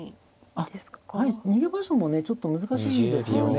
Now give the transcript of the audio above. あっはい逃げ場所もねちょっと難しいんですよね。